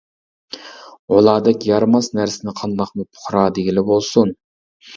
ئۇلاردەك يارىماس نەرسىنى قانداقمۇ «پۇقرا» دېگىلى بولسۇن.